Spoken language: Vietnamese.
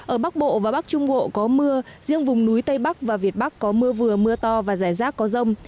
ở bắc bộ và bắc trung bộ có mưa riêng vùng núi tây bắc và việt bắc có mưa vừa mưa to và rải rác có rông